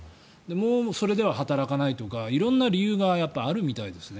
もう、それでは働かないとか色んな理由があるみたいですね。